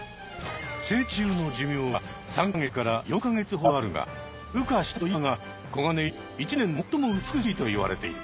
成虫の寿命は３か月から４か月ほどあるが羽化したての今が黄金色に輝き一年で最も美しいといわれている。